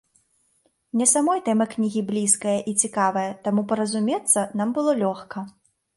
Мне самой тэма кнігі блізкая і цікавая, таму паразумецца нам было лёгка.